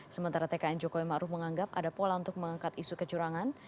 sementara tkn jokowi ma'ruh menganggap ada pola untuk mengangkat isu kecurangan